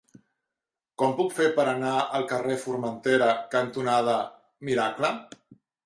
Com ho puc fer per anar al carrer Formentera cantonada Miracle?